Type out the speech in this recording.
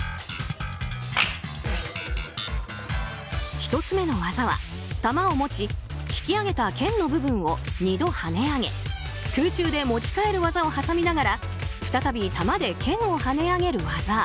１つ目の技は、玉を持ち引き上げたけんの部分を２度跳ね上げ空中で持ち替える技を挟みながら再び玉でけんを跳ね上げる技。